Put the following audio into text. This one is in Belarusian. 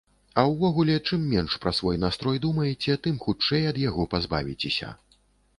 А ўвогуле, чым менш пра свой настрой думаеце, тым хутчэй ад яго пазбавіцеся.